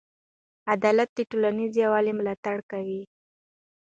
عدالت د ټولنیز یووالي ملاتړ کوي.